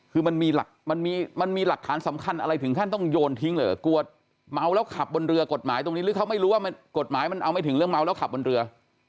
คือมันมีหลักฐานสำคัญอะไรถึงขั้นต้องโยนทิ้งเลยเหรอกลัวเมาแล้วขับบนเรือกฎหมายตรงนี้หรือเขาไม่รู้ว่ากฎหมายมันเอาไม่ถึงเรื่องเมาแล้วขับบนเรือ